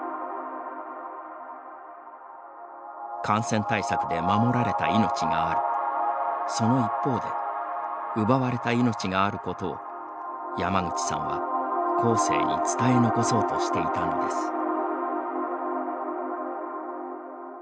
感染対策で守られた命があるその一方で奪われた命があることを山口さんは、後世に伝え残そうとしていたのです。